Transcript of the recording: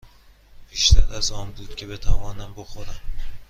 بیشتر از آن بود که بتوانم بخورم.